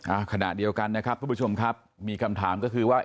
อ่าขณะเดียวกันนะครับทุกผู้ชมครับมีคำถามก็คือว่า